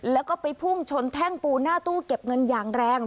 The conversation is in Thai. แล้วก็ไปพุ่งชนแท่งปูนหน้าตู้เก็บเงินอย่างแรง